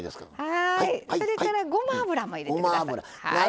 それからごま油も入れてください。